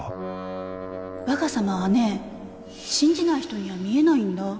わが様はね信じない人には見えないんだ